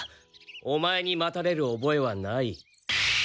オマエに待たれる覚えはない。